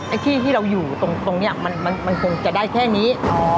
ไอ้ที่ที่เราอยู่ตรงนี้มันคงจะได้แค่นี้